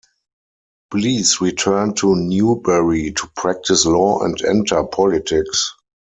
Blease returned to Newberry to practice law and enter politics.